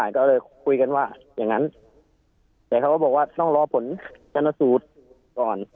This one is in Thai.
ก็เลยคุยกันว่าอย่างนั้นแต่เขาก็บอกว่าต้องรอผลชนสูตรก่อน